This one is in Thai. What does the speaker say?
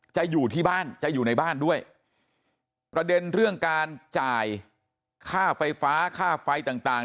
อยู่ที่บ้านจะอยู่ในบ้านด้วยประเด็นเรื่องการจ่ายค่าไฟฟ้าค่าไฟต่างต่าง